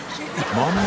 まんま。